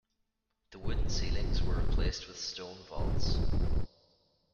The wooden ceilings were replaced with stone vaults.